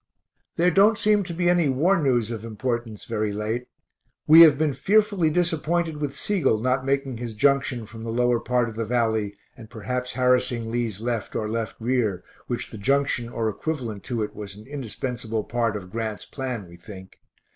There don't seem to be any war news of importance very late. We have been fearfully disappointed with Sigel not making his junction from the lower part of the valley, and perhaps harassing Lee's left or left rear, which the junction or equivalent to it was an indispensable part of Grant's plan, we think.